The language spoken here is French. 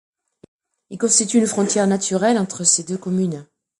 Il constitue une frontière naturelle entre ces deux communes.